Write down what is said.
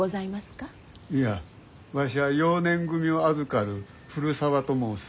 いやわしは幼年組を預かる古沢と申す。